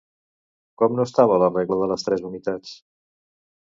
Com no estava la regla de les «tres unitats»?